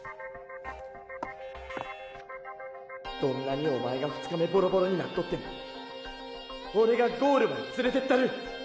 どんなにおまえが２日目ボロボロになっとってもオレがゴールまで連れてったる。